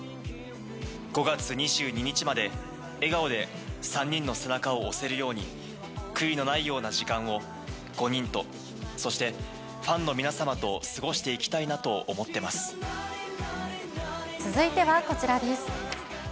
５月２２日まで、笑顔で３人の背中を押せるように、悔いのないような時間を５人と、そして、ファンの皆様と過ごしていきたい続いてはこちらです。